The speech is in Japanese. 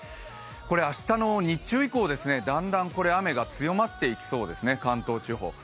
これ明日の日中以降、だんだん雨が強まってきそうですね、関東地方。